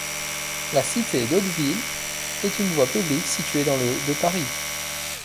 La cité d'Hauteville est une voie publique située dans le de Paris.